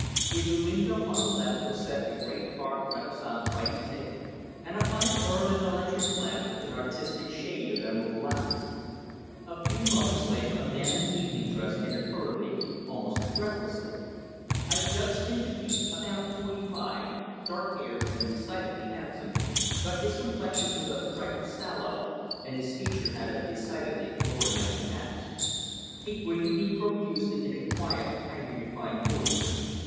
In the window on the left was set a great carved Renaissance writing table, and upon it burned an electric lamp with an artistic shade of emerald glass. A few moments later a man in evening dress entered hurriedly almost breathlessly. I judged him to be about forty five, dark haired and decidedly handsome, but his complexion was a trifle sallow, and his features had a decidedly Oriental cast. He greeted me profusely in a quiet, highly refined voice.